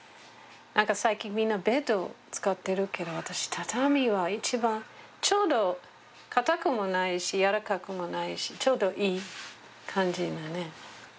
何か最近みんなベッド使ってるけど私畳は一番ちょうどかたくもないしやわらかくもないしちょうどいい感じ。